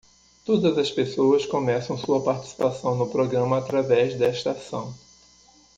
Todas as pessoas começam sua participação no programa através desta ação.